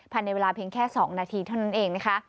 ผ่านในเวลาเพียงแค่๒นาทีเท่านั้นเอง